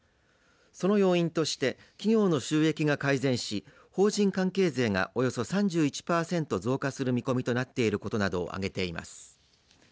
その要因として企業の収益が改善し法人関係税がおよそ３１パーセント増加する見込みとなっていることなどを挙げています。